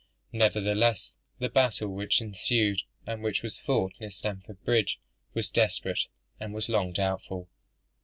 Nevertheless, the battle which ensued, and which was fought near Stamford Bridge, was desperate, and was long doubtful.